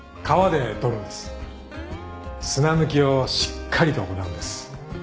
砂抜きをしっかりと行うんです。